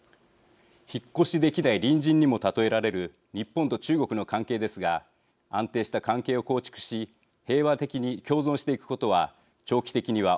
引っ越しできない隣人にも例えられる日本と中国の関係ですが安定した関係を構築し平和的に共存していくことは長期的には